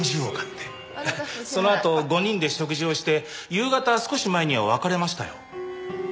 そのあと５人で食事をして夕方少し前には別れましたよ。